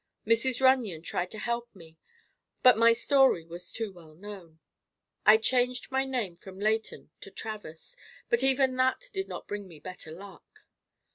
Mrs. Runyon tried to help me but my story was too well known. I changed my name from Leighton to Travers, but even that did not bring me better luck.